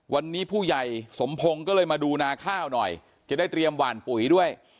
วันนี้ผู้ใหญ่สมพงศ์ก็เลยมาดูนาข้าวหน่อยจะได้เตรียมหวานปุ๋ยด้วย